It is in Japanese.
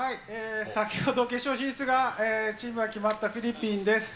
先ほど決勝進出が、チームが決まったフィリピンです。